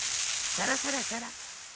サラサラサラ。